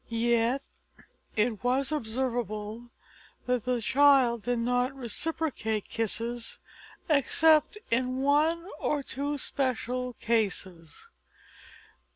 Yet it was observable that the child did not reciprocate kisses except in one or two special cases.